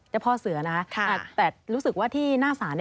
เจ้าพ่อเสือนะแต่รู้สึกว่าที่หน้าศาล